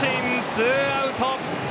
ツーアウト。